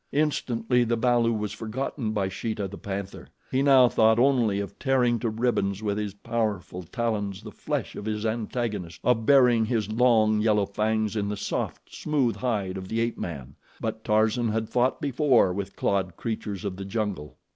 Instantly the balu was forgotten by Sheeta, the panther. He now thought only of tearing to ribbons with his powerful talons the flesh of his antagonist, of burying his long, yellow fangs in the soft, smooth hide of the ape man, but Tarzan had fought before with clawed creatures of the jungle.